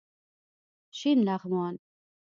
شین لغمان